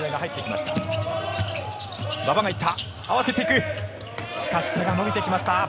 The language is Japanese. しかし手が伸びてきました。